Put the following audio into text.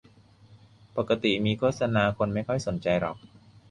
ปกติมีโฆษณาคนไม่ค่อยสนใจหรอก